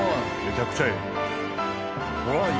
めちゃくちゃいい。